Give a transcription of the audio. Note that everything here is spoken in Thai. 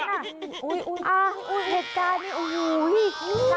อ่าอุ่นเหตุการณ์เนี่ยโอ้โห